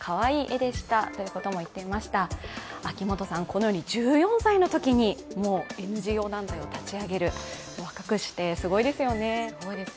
このように１４歳のときにＮＧＯ団体を立ち上げる、若くしてすごいですよね。